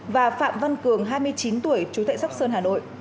và phạm văn cường hai mươi chín tuổi chú tại sóc sơn hà nội